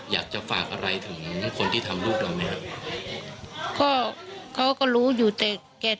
อยากจะฝากอะไรถึงคนที่ทำลูกเราไหมครับ